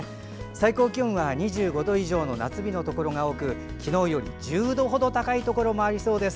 最高気温は２５度以上の夏日のところが多く昨日より１０度程高いところもありそうです。